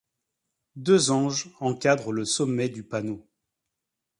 Deux anges encadrent le sommet du panneau.